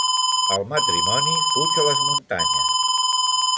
El matrimoni fuig a les muntanyes.